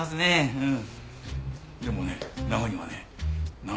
うん。